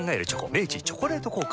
明治「チョコレート効果」